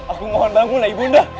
aku mohon bangunlah ibu nda